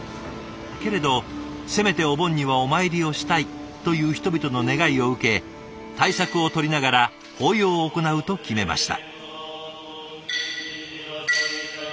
けれど「せめてお盆にはお参りをしたい」という人々の願いを受け対策をとりながら法要を行うと決めました。